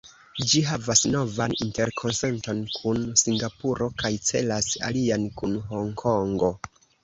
Ĝi havas novan interkonsenton kun Singapuro, kaj celas alian kun Honkongo.